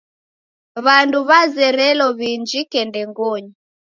W'andu wazerelo w'iinjike ndengonyi..